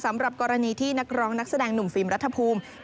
สำหรับกรณีที่นักร้องนักแสดงหนุ่มฟิล์มรัฐภูมิ